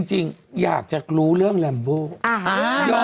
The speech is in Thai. จริงอยากจะรู้เรื่องแรมโบ